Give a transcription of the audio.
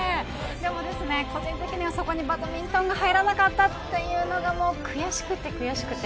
でも、個人的にはそこにバドミントンが入らなかったというのがもう悔しくて悔しくて。